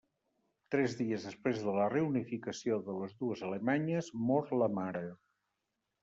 Tres dies després de la reunificació de les dues alemanyes, mor la mare.